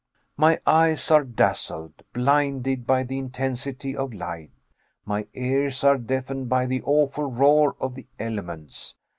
My eyes are dazzled, blinded by the intensity of light, my ears are deafened by the awful roar of the elements.